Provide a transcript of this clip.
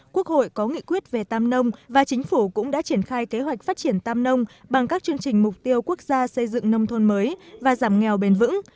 quốc hội có nghị quyết về tam nông và chính phủ cũng đã triển khai kế hoạch phát triển tam nông bằng các chương trình mục tiêu quốc gia xây dựng nông thôn mới và giảm nghèo bền vững